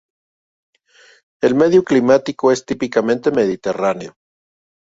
El medio climático es típicamente mediterráneo.